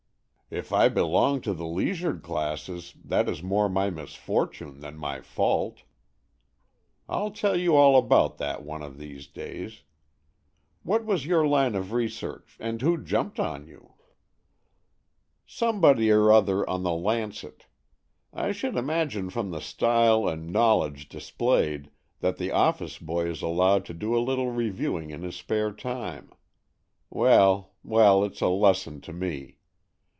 '' If I belong to the leisured classes, that is more my misfortune than my fault. I'll tell you all about that one of these days. What was your line of research, and Avho jumped on you.^ "" Somebody or other on the Lancet. I should imagine from the style and know ledge displayed, that the office boy is allowed to do a little reviewing in his spare time. Well, well, it's a lesson to me.